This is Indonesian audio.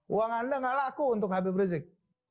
uang anda nggak laku untuk habib rizik